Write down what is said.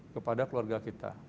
kepada keluarga kita